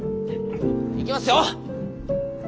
いきますよ！